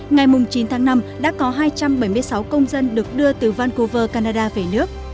ngày chín tháng năm đã có hai trăm bảy mươi sáu công dân được đưa từ vancouver canada về nước